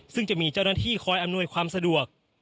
ซึ่งจะมีเจ้าหน้าที่คอยอำนวยความสะดวก